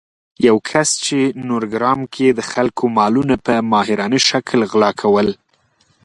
یو کس چې نورګرام کې يې د خلکو مالونه په ماهرانه شکل غلا کول